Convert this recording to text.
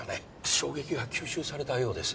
衝撃が吸収されたようです。